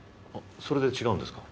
それで違うんですか？